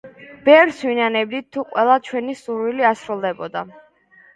ბევრს ვინანებდით თუ ყველა ჩვენი სურვილი ასრულდებოდა.